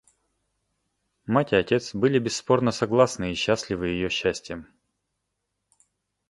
Мать и отец были бесспорно согласны и счастливы ее счастьем.